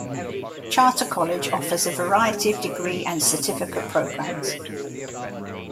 Charter College offers a variety of degree and certificate programs.